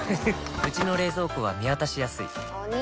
うちの冷蔵庫は見渡しやすいお兄！